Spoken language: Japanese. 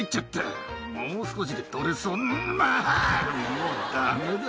もうダメだ。